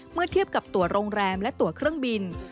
เมื่อเทียบกับตัวโรงแรมและตัวเครื่องบิน